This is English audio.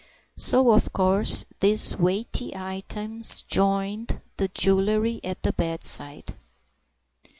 So of course these weighty items joined the jewellery at the bedside.